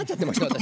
私。